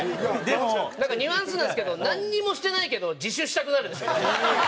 ニュアンスなんですけどなんにもしてないけど自首したくなる。